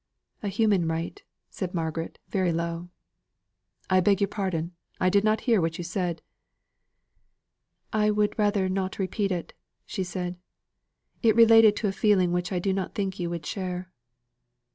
"A human right," said Margaret, very low. "I beg your pardon, I did not hear what you said." "I would rather not repeat it," said she; "it related to a feeling which I do not think you would share."